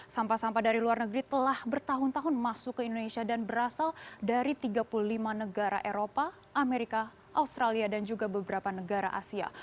sampah sampah dari luar negeri telah bertahun tahun masuk ke indonesia dan berasal dari tiga puluh lima negara eropa amerika australia dan juga beberapa negara asia